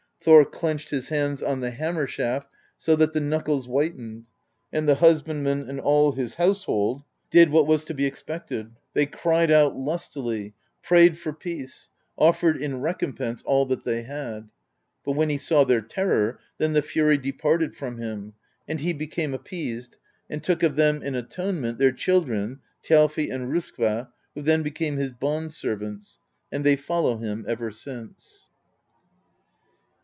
Thor clenched his hands on the hammer shaft so that the knuckles whitened; and the husbandman and all his household did what was to be expected : they cried out lustily, prayed for peace, offered in recompense all that they had. But when he saw their terror, then the fury de parted from him, and he became appeased, and took of them in atonement their children, Thjalfi and R6skva, who then became his bond servants; and they follow him ever since.